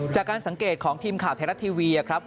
จากการสังเกตของทีมข่าวไทยรัฐทีวีครับ